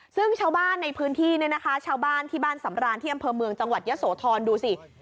ซึ่งชาวบ้านในพื้นที่เนี่ยนะคะชาวบ้านที่บ้านสำรานที่อำเภอเมืองจังหวัดยะโสธรดูสิ